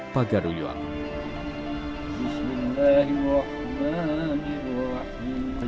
dan kemudian kemudian kemudian kemudian kemudian